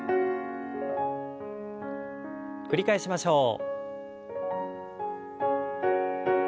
繰り返しましょう。